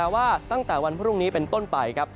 ว่าตั้งแต่วันพรุ่งนี้เป็นต้นไปครับ